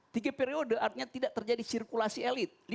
tiga periode artinya tidak terjadi sirkulasi elit